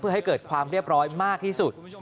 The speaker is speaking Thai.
ให้เกิดความเรียบร้อยมากที่สุด